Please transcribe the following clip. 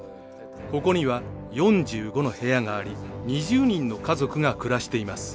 ここには４５の部屋があり２０人の家族が暮らしています。